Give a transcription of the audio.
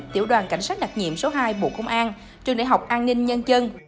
tiểu đoàn cảnh sát đặc nhiệm số hai bộ công an trường đại học an ninh nhân dân